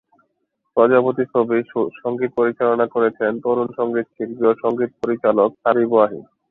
প্রজাপতি ছবির সংগীত পরিচালনা করেছেন তরুন সংগীত শিল্পী ও সংগীত পরিচালক হাবিব ওয়াহিদ।